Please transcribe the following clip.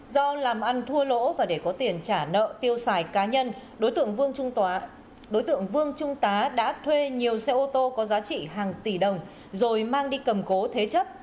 do làm ăn thua lỗ và để có tiền trả nợ tiêu xài cá nhân đối tượng vương đối tượng vương trung tá đã thuê nhiều xe ô tô có giá trị hàng tỷ đồng rồi mang đi cầm cố thế chấp